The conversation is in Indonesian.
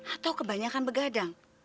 atau kebanyakan begadang